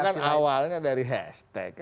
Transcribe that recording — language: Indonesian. ini semua kan awalnya dari hashtag